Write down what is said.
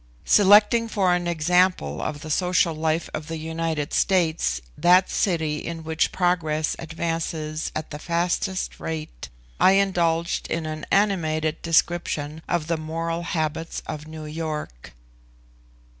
Selecting for an example of the social life of the United States that city in which progress advances at the fastest rate, I indulged in an animated description of the moral habits of New York.